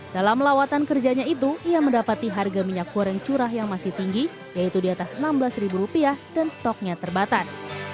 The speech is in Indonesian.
dalam lawatan kerjanya itu ia mendapati harga minyak goreng curah yang masih tinggi yaitu di atas rp enam belas dan stoknya terbatas